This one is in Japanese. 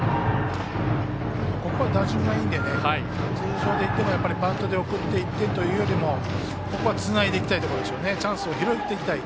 ここは打順がいいので通常でいってもバントで送って１点というよりもここはつないでいってチャンスを広げていきたい